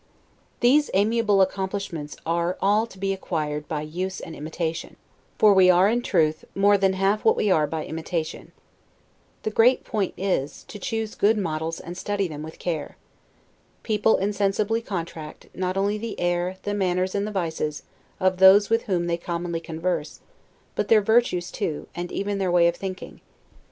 These amiable accomplishments are all to be acquired by use and imitation; for we are, in truth, more than half what we are by imitation. The great point is, to choose good models and to study them with care. People insensibly contract, not only the air, the manners, and the vices, of those with whom they commonly converse, but their virtues too, and even their way of thinking.